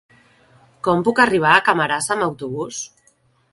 Com puc arribar a Camarasa amb autobús?